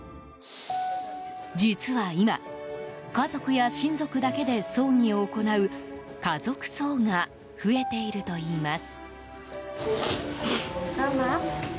実は今、家族や親族だけで葬儀を行う家族葬が増えているといいます。